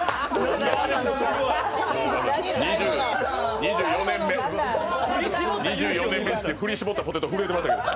２４年目にして振り絞ったポテト、震えてましたけど。